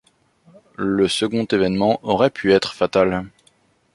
Le second événement aurait pu être fatal.